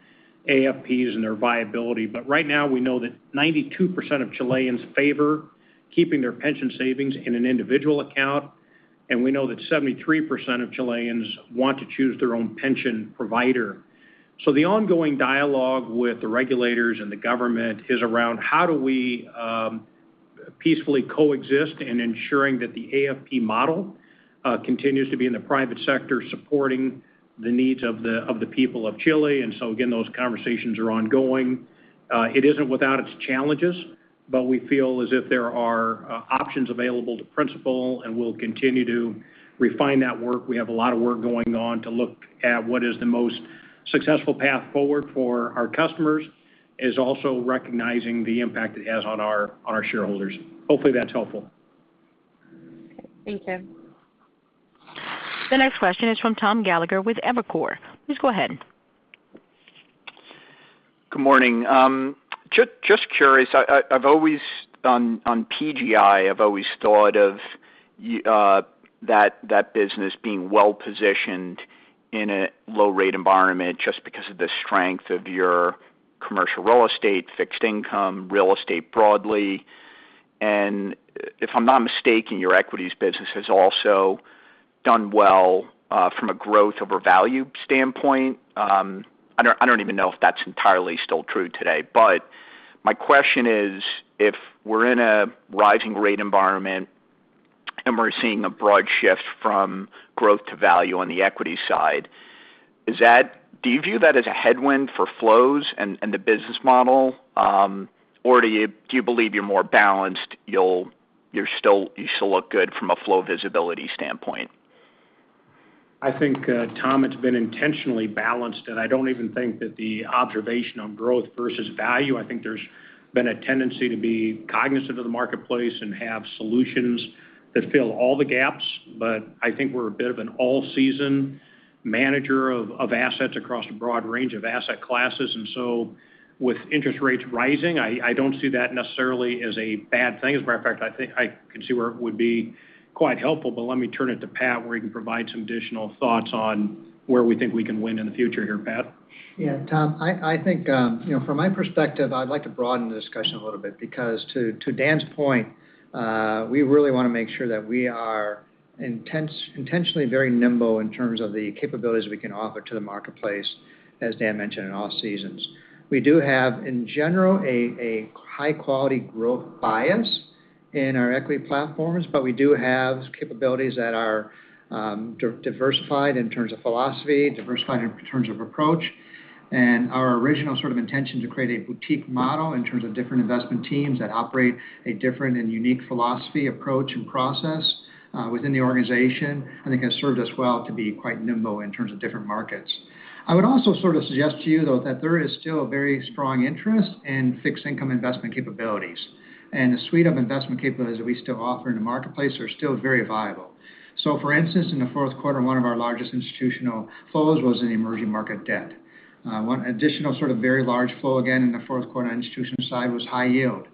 Speaker 2: AFPs and their viability. Right now, we know that 92% of Chileans favor keeping their pension savings in an individual account, and we know that 73% of Chileans want to choose their own pension provider. The ongoing dialogue with the regulators and the government is around how do we peacefully coexist in ensuring that the AFP model continues to be in the private sector, supporting the needs of the people of Chile. Those conversations are ongoing. It isn't without its challenges, but we feel as if there are options available to Principal, and we'll continue to refine that work. We have a lot of work going on to look at what is the most successful path forward for our customers, is also recognizing the impact it has on our shareholders. Hopefully, that's helpful.
Speaker 11: Okay. Thank you.
Speaker 4: The next question is from Tom Gallagher with Evercore. Please go ahead.
Speaker 12: Good morning. Just curious. On PGI, I've always thought of that business being well-positioned in a low-rate environment just because of the strength of your commercial real estate, fixed income, real estate broadly. If I'm not mistaken, your equities business has also done well from a growth over value standpoint. I don't even know if that's entirely still true today. My question is, if we're in a rising rate environment and we're seeing a broad shift from growth to value on the equity side, do you view that as a headwind for flows and the business model? Or do you believe you're more balanced, you still look good from a flow visibility standpoint?
Speaker 2: I think, Tom, it's been intentionally balanced, and I don't even think that the observation on growth versus value. I think there's been a tendency to be cognizant of the marketplace and have solutions that fill all the gaps. I think we're a bit of an all-season manager of assets across a broad range of asset classes. With interest rates rising, I don't see that necessarily as a bad thing. As a matter of fact, I think I can see where it would be quite helpful. Let me turn it to Pat, where he can provide some additional thoughts on where we think we can win in the future here. Pat?
Speaker 8: Yeah, Tom, I think, you know, from my perspective, I'd like to broaden the discussion a little bit because to Dan's point, we really wanna make sure that we are intentionally very nimble in terms of the capabilities we can offer to the marketplace, as Dan mentioned, in all seasons. We do have, in general, a high-quality growth bias in our equity platforms, but we do have capabilities that are diversified in terms of philosophy, diversified in terms of approach. Our original sort of intention to create a boutique model in terms of different investment teams that operate a different and unique philosophy, approach, and process within the organization, I think has served us well to be quite nimble in terms of different markets. I would also sort of suggest to you, though, that there is still a very strong interest in fixed income investment capabilities, and the suite of investment capabilities that we still offer in the marketplace are still very viable. For instance, in the fourth quarter, one of our largest institutional flows was in emerging market debt. One additional sort of very large flow, again, in the fourth quarter on institutional side was high yield.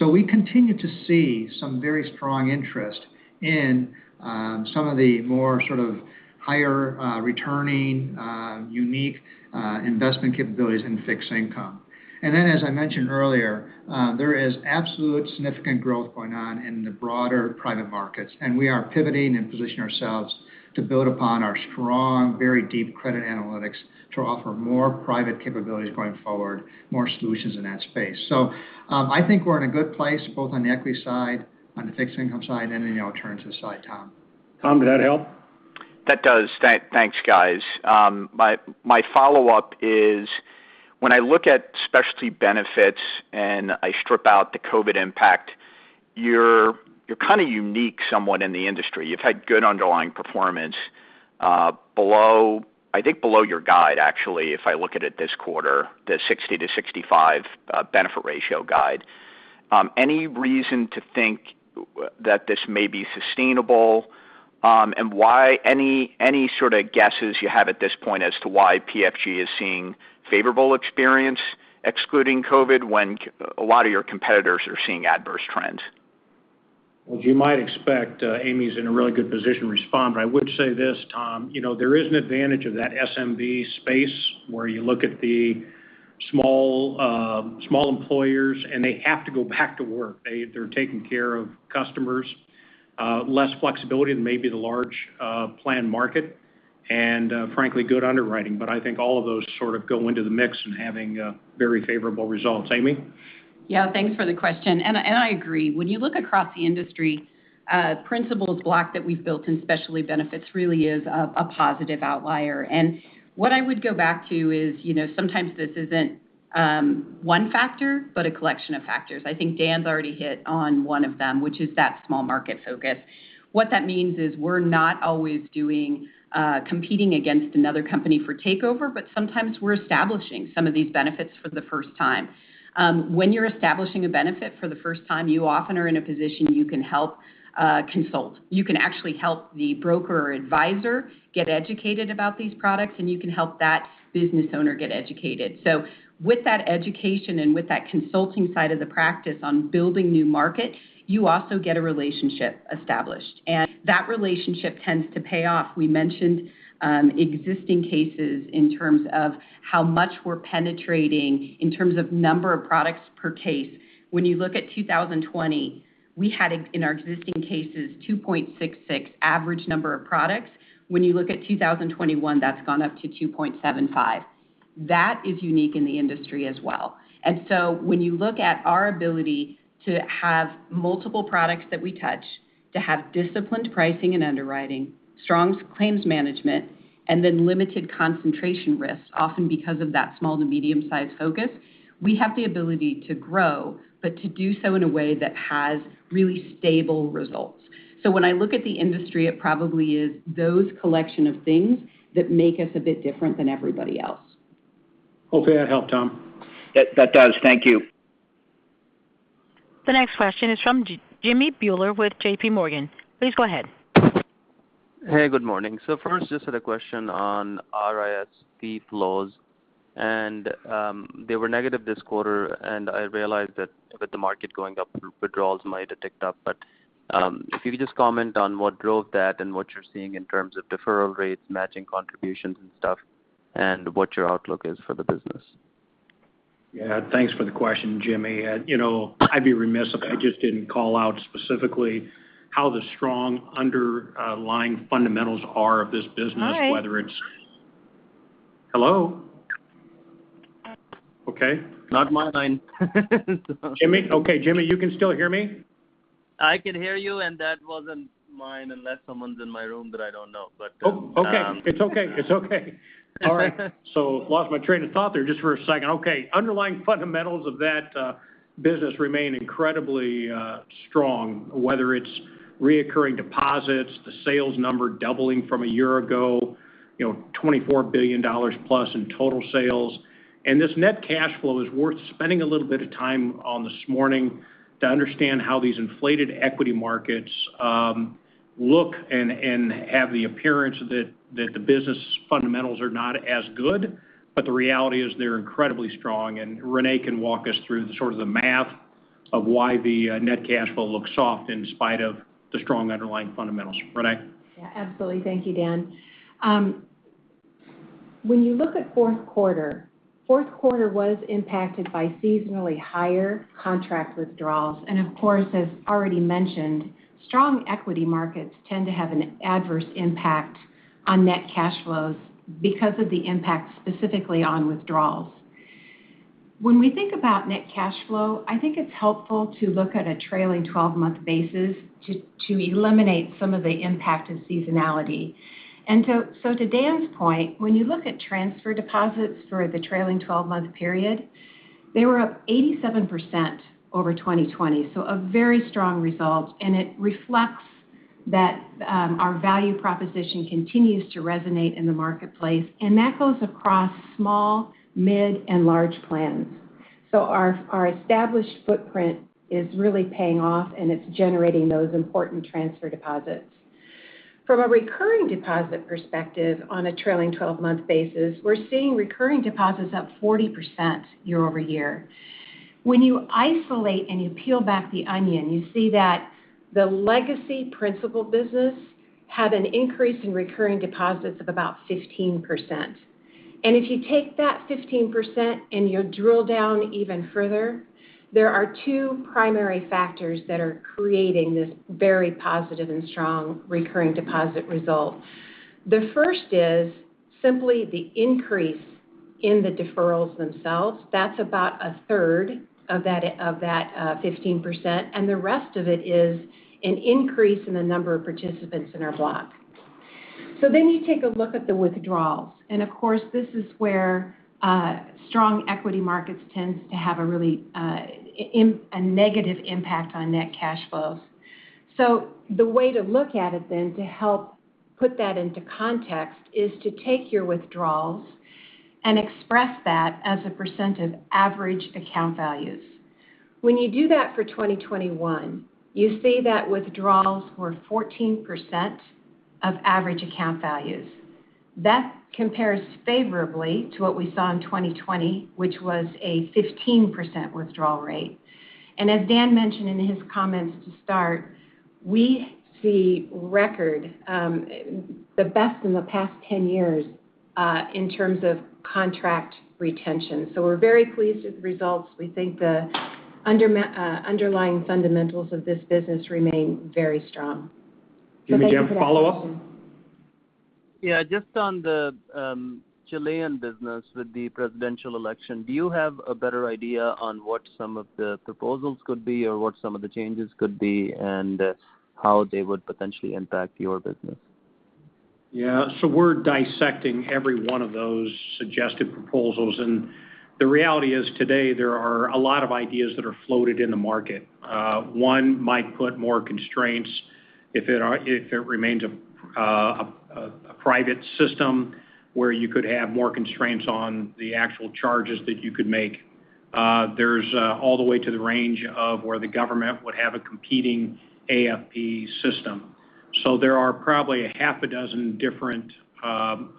Speaker 8: We continue to see some very strong interest in, some of the more sort of higher, returning, unique, investment capabilities in fixed income. As I mentioned earlier, there is absolute significant growth going on in the broader private markets, and we are pivoting and positioning ourselves to build upon our strong, very deep credit analytics to offer more private capabilities going forward, more solutions in that space. I think we're in a good place, both on the equity side, on the fixed income side, and in the alternatives side, Tom.
Speaker 2: Tom, did that help?
Speaker 12: That does. Thanks, guys. My follow-up is when I look at specialty benefits and I strip out the COVID impact, you're kind of unique somewhat in the industry. You've had good underlying performance, below, I think below your guide, actually, if I look at it this quarter, the 60%-65% benefit ratio guide. Any reason to think that this may be sustainable? And why any sort of guesses you have at this point as to why PFG is seeing favorable experience excluding COVID when a lot of your competitors are seeing adverse trends?
Speaker 2: Well, as you might expect, Amy's in a really good position to respond. I would say this, Tom, you know, there is an advantage of that SMB space where you look at the small employers, and they have to go back to work. They're taking care of customers, less flexibility than maybe the large plan market and, frankly, good underwriting. I think all of those sort of go into the mix in having very favorable results. Amy?
Speaker 9: Yeah. Thanks for the question. I agree. When you look across the industry, Principal's block that we've built in specialty benefits really is a positive outlier. What I would go back to is, you know, sometimes this isn't one factor but a collection of factors. I think Dan's already hit on one of them, which is that small market focus. What that means is we're not always competing against another company for takeover, but sometimes we're establishing some of these benefits for the first time. When you're establishing a benefit for the first time, you often are in a position you can help consult. You can actually help the broker or advisor get educated about these products, and you can help that business owner get educated. With that education and with that consulting side of the practice on building new market, you also get a relationship established, and that relationship tends to pay off. We mentioned existing cases in terms of how much we're penetrating in terms of number of products per case. When you look at 2020, we had in our existing cases 2.66 average number of products. When you look at 2021, that's gone up to 2.75%. That is unique in the industry as well. When you look at our ability to have multiple products that we touch, to have disciplined pricing and underwriting, strong claims management, and then limited concentration risk, often because of that small to medium-sized focus, we have the ability to grow, but to do so in a way that has really stable results. When I look at the industry, it probably is those collection of things that make us a bit different than everybody else.
Speaker 2: Hopefully that helped, Tom.
Speaker 12: That does. Thank you.
Speaker 4: The next question is from Jimmy Bhullar with J.P. Morgan. Please go ahead.
Speaker 13: Hey, good morning. First, I just had a question on RIS flows, and they were negative this quarter, and I realized that with the market going up, withdrawals might have ticked up. If you could just comment on what drove that and what you're seeing in terms of deferral rates, matching contributions and stuff, and what your outlook is for the business.
Speaker 2: Yeah. Thanks for the question, Jimmy. You know, I'd be remiss if I just didn't call out specifically how the strong underlying fundamentals are of this business.
Speaker 14: Hi.
Speaker 2: Hello? Okay. Not mine. Jimmy? Okay, Jimmy, you can still hear me?
Speaker 13: I can hear you, and that wasn't mine, unless someone's in my room that I don't know, but.
Speaker 2: Oh, okay. It's okay. All right. Lost my train of thought there just for a second. Okay. Underlying fundamentals of that business remain incredibly strong, whether it's recurring deposits, the sales number doubling from a year ago, you know, $24 billion+ in total sales. This net cash flow is worth spending a little bit of time on this morning to understand how these inflated equity markets look and have the appearance that the business fundamentals are not as good. The reality is they're incredibly strong, and Renee can walk us through sort of the math of why the net cash flow looks soft in spite of the strong underlying fundamentals. Renee?
Speaker 6: Yeah, absolutely. Thank you, Dan. When you look at fourth quarter, it was impacted by seasonally higher contract withdrawals. Of course, as already mentioned, strong equity markets tend to have an adverse impact on net cash flows because of the impact specifically on withdrawals. When we think about net cash flow, I think it's helpful to look at a trailing twelve-month basis to eliminate some of the impact of seasonality. To Dan's point, when you look at transfer deposits for the trailing twelve-month period, they were up 87% over 2020. A very strong result, and it reflects that our value proposition continues to resonate in the marketplace, and that goes across small, mid, and large plans. Our established footprint is really paying off, and it's generating those important transfer deposits. From a recurring deposit perspective on a trailing 12-month basis, we're seeing recurring deposits up 40% year-over-year. When you isolate and you peel back the onion, you see that the legacy Principal business had an increase in recurring deposits of about 15%. If you take that 15% and you drill down even further, there are two primary factors that are creating this very positive and strong recurring deposit result. The first is simply the increase in the deferrals themselves. That's about a third of that 15%, and the rest of it is an increase in the number of participants in our block. You take a look at the withdrawals, and of course, this is where strong equity markets tends to have a really a negative impact on net cash flows. The way to look at it then to help put that into context is to take your withdrawals and express that as a percent of average account values. When you do that for 2021, you see that withdrawals were 14% of average account values. That compares favorably to what we saw in 2020, which was a 15% withdrawal rate. As Dan mentioned in his comments to start, we see record, the best in the past 10 years, in terms of contract retention. We're very pleased with the results. We think the underlying fundamentals of this business remain very strong.
Speaker 2: Jimmy, do you have a follow-up?
Speaker 6: Thanks for that question.
Speaker 13: Yeah. Just on the Chilean business with the presidential election, do you have a better idea on what some of the proposals could be or what some of the changes could be and how they would potentially impact your business?
Speaker 2: Yeah. We're dissecting every one of those suggested proposals, and the reality is today there are a lot of ideas that are floated in the market. One might put more constraints if it remains a private system where you could have more constraints on the actual charges that you could make. There's all the way to the range of where the government would have a competing AFP system. There are probably a half a dozen different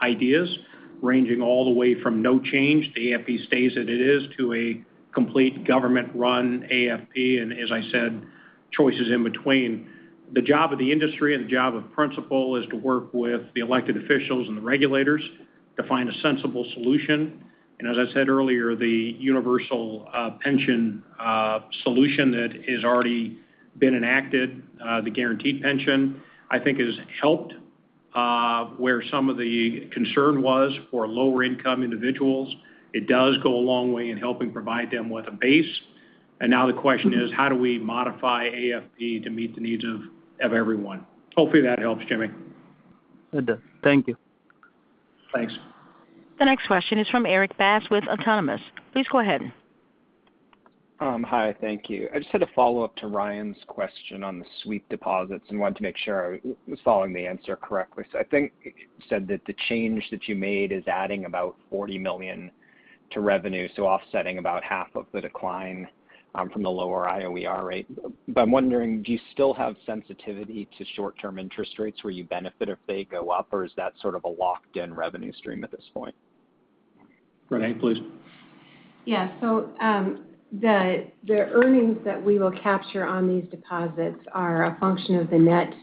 Speaker 2: ideas ranging all the way from no change, the AFP stays as it is, to a complete government-run AFP, and as I said, choices in between. The job of the industry and the job of Principal is to work with the elected officials and the regulators to find a sensible solution. As I said earlier, the universal pension solution that is already been enacted. The guaranteed pension, I think, has helped, where some of the concern was for lower income individuals. It does go a long way in helping provide them with a base. Now the question is, how do we modify AFP to meet the needs of everyone? Hopefully, that helps, Jimmy.
Speaker 13: It does. Thank you.
Speaker 2: Thanks.
Speaker 4: The next question is from Erik Bass with Autonomous. Please go ahead.
Speaker 15: Hi. Thank you. I just had a follow-up to Ryan's question on the sweep deposits and wanted to make sure I was following the answer correctly. I think you said that the change that you made is adding about $40 million to revenue, so offsetting about half of the decline from the lower IOER rate. I'm wondering, do you still have sensitivity to short-term interest rates where you benefit if they go up? Or is that sort of a locked-in revenue stream at this point?
Speaker 2: Renee, please.
Speaker 6: The earnings that we will capture on these deposits are a function of the net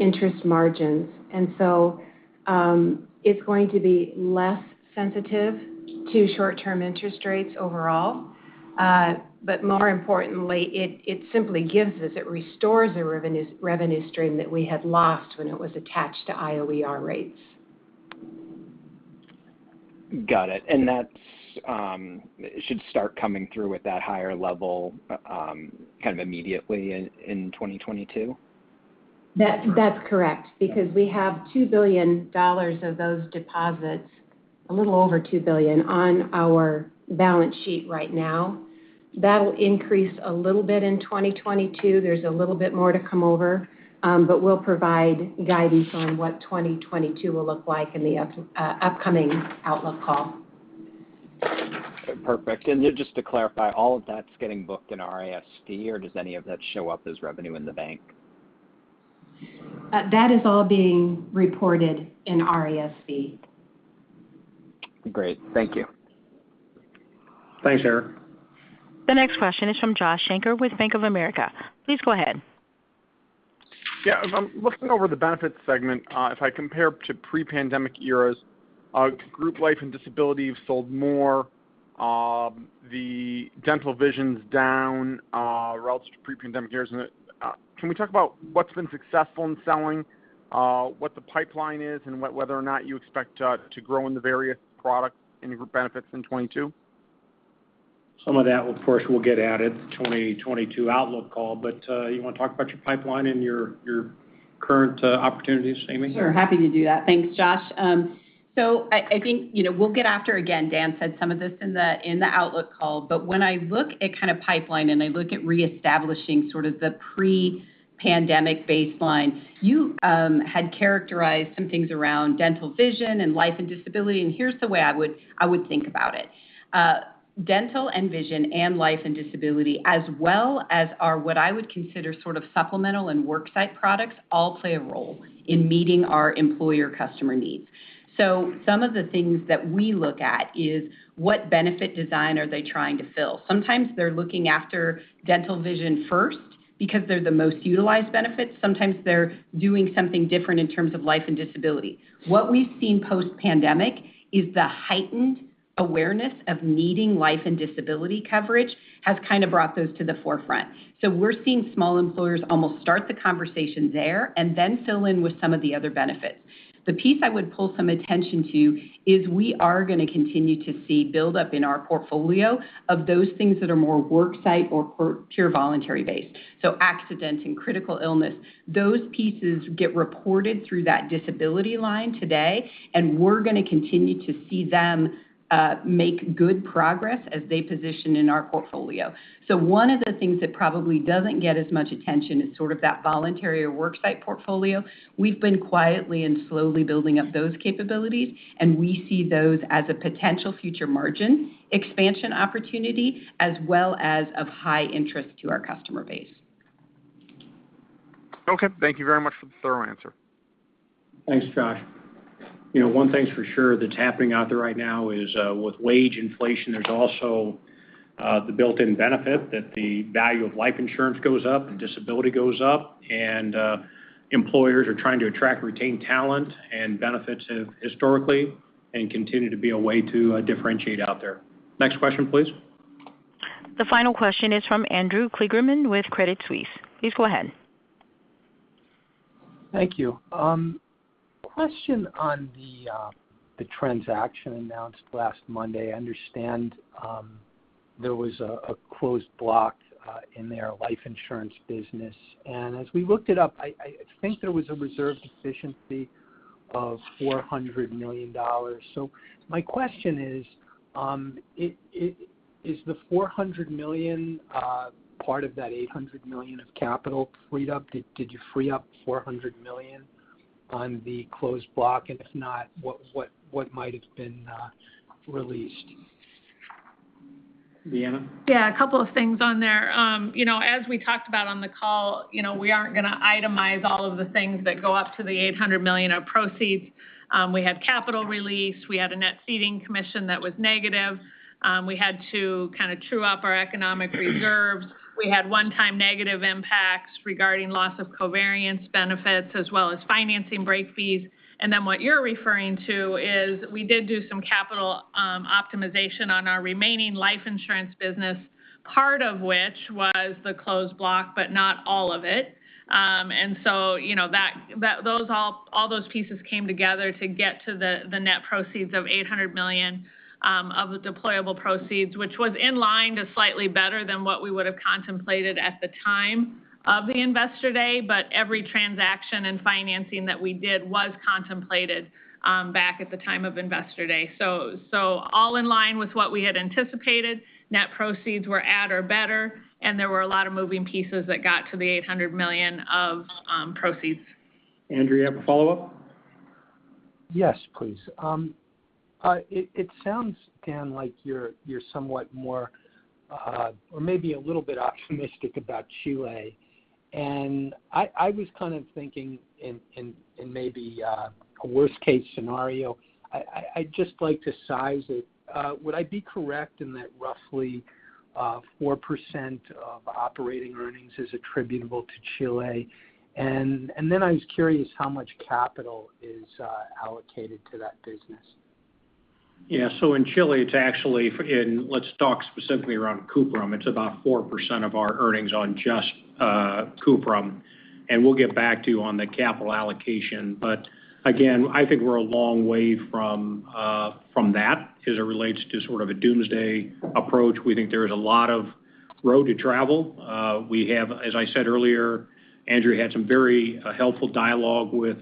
Speaker 6: interest margins. It's going to be less sensitive to short-term interest rates overall. But more importantly, it simply gives us. It restores a revenue stream that we had lost when it was attached to IOER rates.
Speaker 15: Got it. That's. It should start coming through at that higher level, kind of immediately in 2022?
Speaker 6: That's correct because we have $2 billion of those deposits, a little over $2 billion, on our balance sheet right now. That'll increase a little bit in 2022. There's a little bit more to come over. We'll provide guidance on what 2022 will look like in the upcoming outlook call.
Speaker 15: Perfect. Just to clarify, all of that's getting booked in RIS or does any of that show up as revenue in the bank?
Speaker 6: That is all being reported in RIS.
Speaker 15: Great. Thank you.
Speaker 2: Thanks, Erik.
Speaker 4: The next question is from Josh Shanker with Bank of America. Please go ahead.
Speaker 16: Yeah. If I'm looking over the benefits segment, if I compare to pre-pandemic eras, group life and disability have sold more. The dental vision's down, relative to pre-pandemic years. Can we talk about what's been successful in selling, what the pipeline is, and whether or not you expect to grow in the various products in your group benefits in 2022?
Speaker 2: Some of that, of course, will get added to the 2022 outlook call. You want to talk about your pipeline and your current opportunities, Amy?
Speaker 9: Sure. Happy to do that. Thanks, Josh. So I think, you know, we'll get after again. Dan said some of this in the outlook call. When I look at kind of pipeline, and I look at reestablishing sort of the pre-pandemic baseline, you had characterized some things around dental, vision and life and disability, and here's the way I would think about it. Dental and vision and life and disability as well as our, what I would consider sort of supplemental and work site products all play a role in meeting our employer customer needs. Some of the things that we look at is what benefit design are they trying to fill? Sometimes they're looking after dental, vision first because they're the most utilized benefits. Sometimes they're doing something different in terms of life and disability. What we've seen post-pandemic is the heightened awareness of needing life and disability coverage has kind of brought those to the forefront. We're seeing small employers almost start the conversation there and then fill in with some of the other benefits. The piece I would pull some attention to is we are going to continue to see build-up in our portfolio of those things that are more work site or pure voluntary based. Accidents and critical illness. Those pieces get reported through that disability line today, and we're going to continue to see them make good progress as they position in our portfolio. One of the things that probably doesn't get as much attention is sort of that voluntary or work site portfolio. We've been quietly and slowly building up those capabilities, and we see those as a potential future margin expansion opportunity as well as of high interest to our customer base.
Speaker 16: Okay. Thank you very much for the thorough answer.
Speaker 2: Thanks, Josh. You know, one thing's for sure that's happening out there right now is, with wage inflation, there's also, the built-in benefit that the value of life insurance goes up and disability goes up. Employers are trying to attract, retain talent, and benefits have historically and continue to be a way to, differentiate out there. Next question, please.
Speaker 4: The final question is from Andrew Kligerman with Credit Suisse. Please go ahead.
Speaker 17: Thank you. Question on the transaction announced last Monday. I understand there was a closed block in their life insurance business. As we looked it up, I think there was a reserve deficiency of $400 million. My question is the $400 million part of that $800 million of capital freed up? Did you free up $400 million on the closed block? And if not, what might have been released?
Speaker 2: Deanna?
Speaker 3: Yeah. A couple of things on there. You know, as we talked about on the call, you know, we aren't going to itemize all of the things that go up to the $800 million of proceeds. We had capital release. We had a net ceding commission that was negative. We had to kind of true up our economic reserves. We had one-time negative impacts regarding loss of coinsurance benefits as well as financing break fees. Then what you're referring to is we did do some capital Optimization on our remaining life insurance business, part of which was the closed block, but not all of it. You know, those pieces came together to get to the net proceeds of $800 million of the deployable proceeds, which was in line to slightly better than what we would have contemplated at the time of the Investor Day. Every transaction and financing that we did was contemplated back at the time of Investor Day. All in line with what we had anticipated. Net proceeds were at or better, and there were a lot of moving pieces that got to the $800 million of proceeds.
Speaker 2: Andrew, you have a follow-up?
Speaker 17: Yes, please. It sounds, Dan, like you're somewhat more or maybe a little bit optimistic about Chile. I was kind of thinking in maybe a worst-case scenario, I'd just like to size it. Would I be correct in that roughly 4% of operating earnings is attributable to Chile? I was curious how much capital is allocated to that business.
Speaker 2: Yeah. In Chile, it's actually, and let's talk specifically around Cuprum. It's about 4% of our earnings on just Cuprum. We'll get back to you on the capital allocation. Again, I think we're a long way from that as it relates to sort of a doomsday approach. We think there is a lot of road to travel. We have, as I said earlier, Andrew had some very helpful dialogue with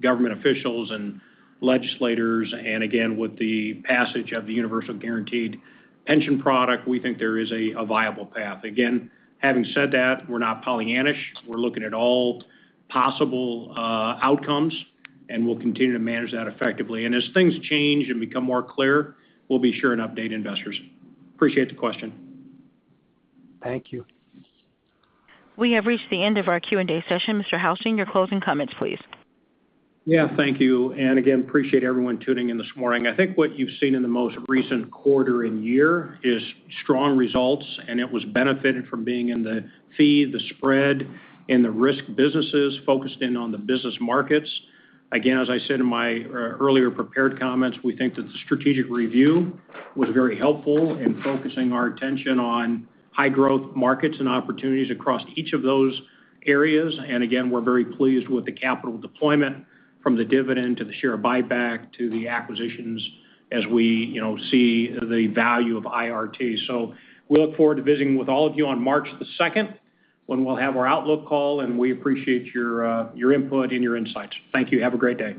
Speaker 2: government officials and legislators. Again, with the passage of the universal guaranteed pension product, we think there is a viable path. Again, having said that, we're not Pollyannish. We're looking at all possible outcomes, and we'll continue to manage that effectively. As things change and become more clear, we'll be sure and update investors. Appreciate the question.
Speaker 17: Thank you.
Speaker 4: We have reached the end of our Q&A session. Mr. Houston, your closing comments, please.
Speaker 2: Yeah, thank you. Again, appreciate everyone tuning in this morning. I think what you've seen in the most recent quarter and year is strong results, and it was benefited from being in the fee, the spread, and the risk businesses focused in on the business markets. Again, as I said in my earlier prepared comments, we think that the strategic review was very helpful in focusing our attention on high-growth markets and opportunities across each of those areas. Again, we're very pleased with the capital deployment from the dividend to the share buyback to the acquisitions as we, you know, see the value of IRT. We look forward to visiting with all of you on March the second, when we'll have our outlook call, and we appreciate your input and your insights. Thank you. Have a great day.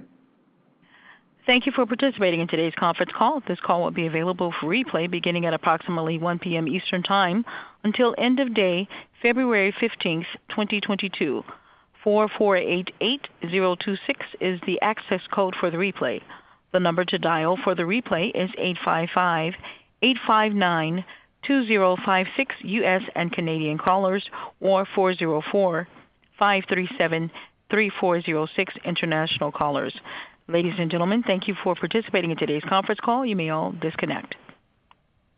Speaker 4: Thank you for participating in today's conference call. This call will be available for replay beginning at approximately one PM Eastern time until end of day, February fifteenth, twenty twenty-two. Four four eight eight zero two six is the access code for the replay. The number to dial for the replay is eight five five eight five nine two zero five six US and Canadian callers or four zero four five three seven three four zero six international callers. Ladies and gentlemen, thank you for participating in today's conference call. You may all disconnect.